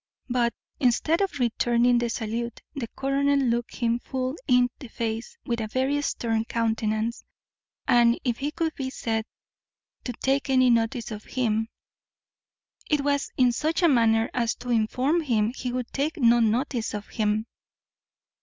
But, instead of returning the salute, the colonel looked him full in the face with a very stern countenance; and, if he could be said to take any notice of him, it was in such a manner as to inform him he would take no notice of him.